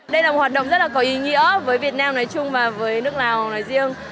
đây là một hoạt động rất là có ý nghĩa với việt nam nói chung và với nước lào nói riêng